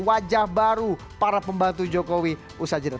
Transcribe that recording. wajah baru para pembantu jokowi usajidah